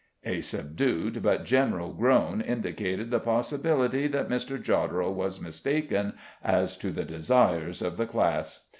A subdued but general groan indicated the possibility that Mr. Jodderel was mistaken as to the desires of the class.